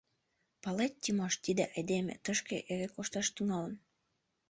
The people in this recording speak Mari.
Палет, Тимош, тиде айдеме тышке эре кошташ тӱҥалын.